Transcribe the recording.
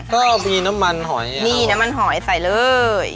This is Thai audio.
ก็มีน้ำมันหอยนี่น้ำมันหอยใส่เลย